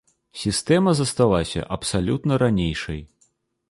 Сістэма засталася абсалютна ранейшай.